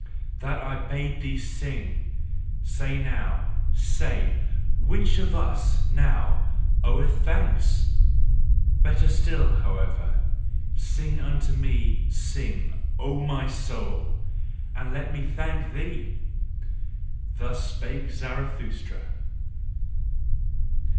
That I bade thee sing, say now, say: WHICH of us now oweth thanks? Better still, however: sing unto me, sing, O my soul! And let me thank thee! Thus spake Zarathustra.